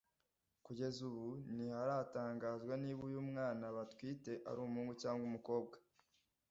Kugeza ubu ntiharatangazwa niba uyu mwana batwite ari umuhungu cyangwa umukobwa